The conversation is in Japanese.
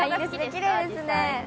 きれいですね。